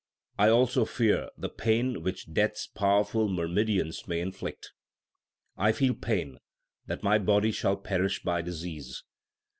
I also fear the pain which Death s powerful myrmidons may inflict. I feel pain that my body shall perish by disease.